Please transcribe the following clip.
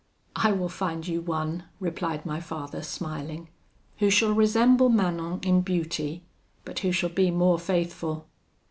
'I will find you one,' replied my father, smiling, 'who shall resemble Manon in beauty, but who shall be more faithful.'